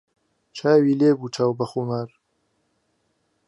چاوی لێ بوو چاو به خومار